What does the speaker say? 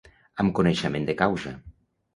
Amb coneixement de causa.